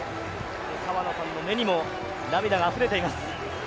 澤野さんの目にも涙があふれています。